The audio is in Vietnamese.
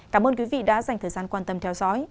cảm ơn quý vị đã dành thời gian quan tâm theo dõi